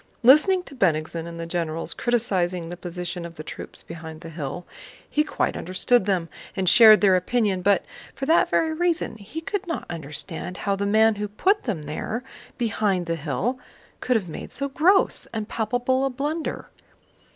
Listening to Bennigsen and the generals criticizing the position of the troops behind the hill, he quite understood them and shared their opinion, but for that very reason he could not understand how the man who put them there behind the hill could have made so gross and palpable a blunder.